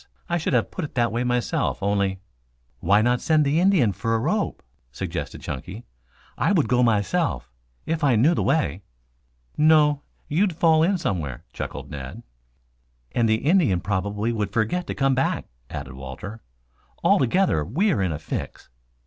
I should have put it that way myself only " "Why not send the Indian for a rope?" suggested Chunky. "I would go myself if I knew the way." "No, you'd fall in somewhere," chuckled Ned. "And the Indian probably would forget to come back," added Walter. "Altogether we are in a fix."